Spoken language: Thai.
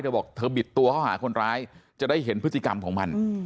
เธอบอกเธอบิดตัวเข้าหาคนร้ายจะได้เห็นพฤติกรรมของมัน